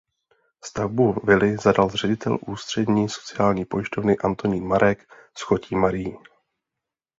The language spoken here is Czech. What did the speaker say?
Stavbu vily zadal ředitel Ústřední sociální pojišťovny Antonín Marek s chotí Marií.